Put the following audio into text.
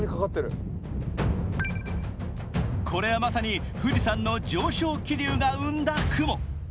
これはまさに富士山の上昇気流が生んだ雲。